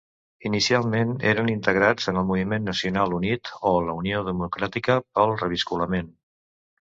Inicialment eren integrats en el Moviment Nacional Unit o la Unió Democràtica pel Reviscolament.